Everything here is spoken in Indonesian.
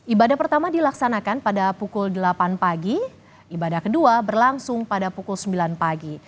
ibadah pertama dilaksanakan pada pukul delapan pagi ibadah kedua berlangsung pada pukul sembilan pagi